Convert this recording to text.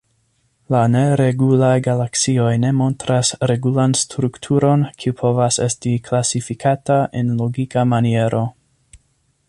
La neregulaj galaksioj ne montras regulan strukturon kiu povus esti klasifikata en logika maniero.